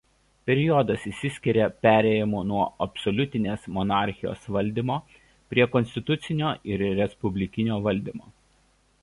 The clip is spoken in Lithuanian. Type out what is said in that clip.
Periodas išsiskiria perėjimu nuo absoliutinės monarchijos valdymo prie konstitucinio ir respublikinio valdymo.